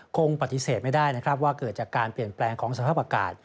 คงปฏิเสธไม่ได้นะครับว่าเกิดจากการเปลี่ยนแปลงของสภาพอากาศ